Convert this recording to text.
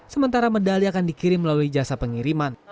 sementara medali akan dikirim melalui jasa pengiriman